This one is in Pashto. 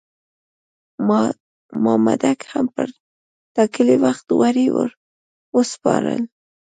مامدک هم پر ټاکلي وخت غوړي ور وسپارل.